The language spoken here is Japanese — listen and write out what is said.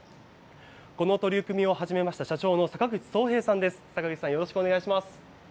この取り組みを始めました社長の阪口宗平さんです。